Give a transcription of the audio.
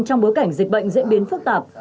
trong bối cảnh dịch bệnh diễn biến phức tạp